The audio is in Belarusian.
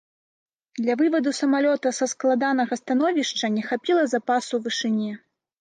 Для вываду самалёта са складанага становішча не хапіла запасу вышыні.